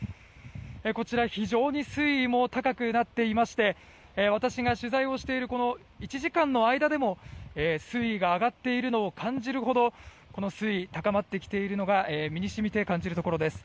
こちら、非常に水位も高くなっていまして私が取材をしているこの１時間の間でも水位が上がっているのを感じるほど水位が高まってきているのが身に染みて感じるところです。